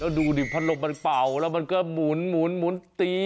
รอดูแบบมันเบาแล้วมันก็หมุนตี